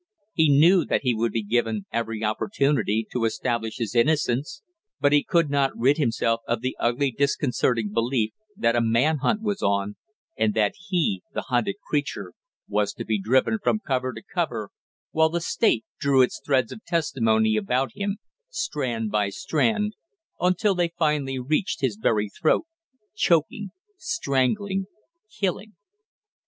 He knew that he would be given every opportunity to establish his innocence, but he could not rid himself of the ugly disconcerting belief that a man hunt was on, and that he, the hunted creature, was to be driven from cover to cover while the state drew its threads of testimony about him strand by strand, until they finally reached his very throat, choking, strangling, killing!